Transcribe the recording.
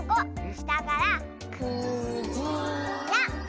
したからく・じ・ら！